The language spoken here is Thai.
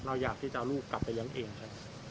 เราอยากที่จะเอาลูกกลับไปยังเองค่ะ